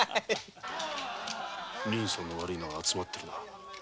人相の悪いのが集まってるな。